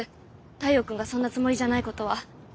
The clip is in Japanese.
太陽君がそんなつもりじゃないことは。